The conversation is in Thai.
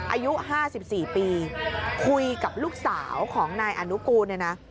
อายุ๕๔ปีคุยกับลูกสาวของนายอนุกูลเนี่ยนะ